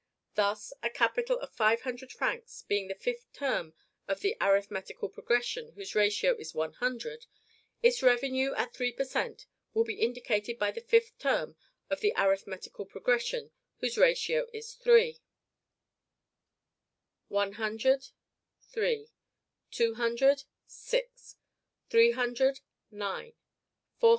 Thus, a capital of five hundred francs being the fifth term of the arithmetical progression whose ratio is one hundred, its revenue at three per cent. will be indicated by the fifth term of the arithmetical progression whose ratio is three: 100 . 200 . 300 . 400 . 500. 3 . 6 . 9